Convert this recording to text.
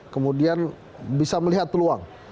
kemudian bisa melihat peluang